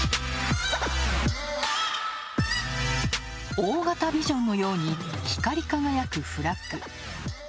大型ビジョンのように光り輝くフラッグ。